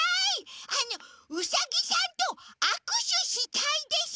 あのウサギさんとあくしゅしたいです！